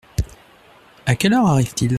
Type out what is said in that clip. À quelle heure arrive-t-il ?